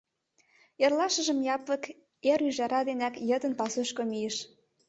Эрлашыжым Япык эр ӱжара денак йытын пасушко мийыш.